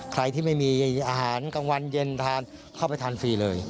ใครที่ไม่มีอาหารกลางวันเย็นทานเข้าไปทานฟรีเลย